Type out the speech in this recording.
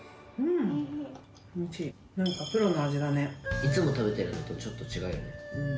いつも食べてるのとちょっとうん。